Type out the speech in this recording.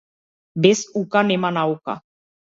Без ука нема наука.